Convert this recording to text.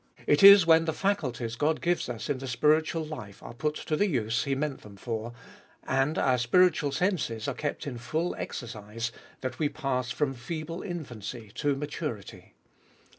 It is when the faculties God gives us in the spiritual life are put to the use He meant them for, and our spiritual senses are kept in full exercise, that we pass from feeble infancy to maturity.